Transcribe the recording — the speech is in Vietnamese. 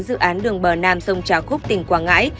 dự án đường bờ nam sông trà khúc tỉnh quảng ngãi